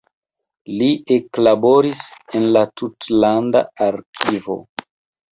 Li eklaboris en la tutlanda arkivo.